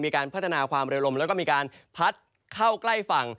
มีการพัฒนาความเร็วลมแล้วก็มีการพัดเข้าใกล้ฝั่ง